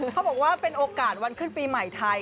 เขาบอกว่าเป็นโอกาสวันขึ้นปีใหม่ไทย